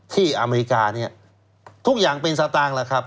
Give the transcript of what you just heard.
อเมริกาเนี่ยทุกอย่างเป็นสตางค์แล้วครับ